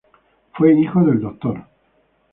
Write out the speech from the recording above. Fue hijo del Dr.